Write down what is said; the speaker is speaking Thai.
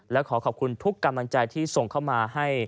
และขอขอบคุณทุกกำลังใจที่ส่งเข้ามาให้